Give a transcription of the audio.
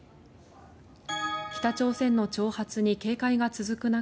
北朝鮮の挑発に警戒が続く中